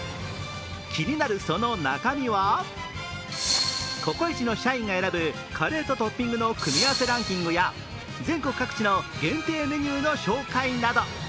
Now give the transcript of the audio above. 気になるその中身は、ココイチの社員が選ぶカレーとトッピングの組み合わせランキングや全国各地の限定メニューの紹介など。